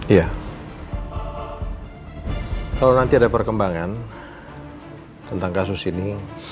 iya kalau nanti ada perkembangan tentang kasus ini